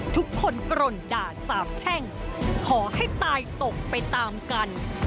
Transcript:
ทุกคนกรนด่าสาบแช่งขอให้ตายตกไปตามกัน